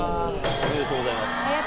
ありがとうございます。